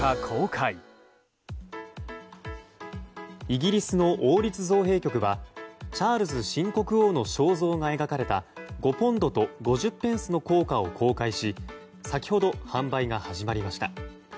イギリスの王立造幣局はチャールズ新国王の肖像が描かれた５ポンドと５０ペンスの硬貨を公開し先ほど、販売が始まりました。